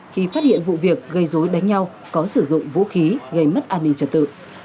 khi phát hiện vụ việc gây dối đánh nhau có sử dụng vũ khí gây mất an ninh trật tự